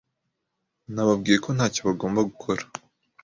Nababwiye ko ntacyo bagomba gukora.